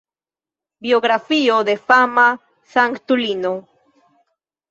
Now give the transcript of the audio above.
Biografio de fama sanktulino.